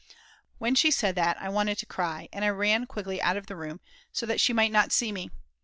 When she said that I wanted to cry, and I ran quickly out of the room so that she might not see me.